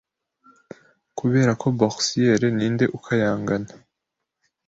Kuberako Borsiere ninde ukayangana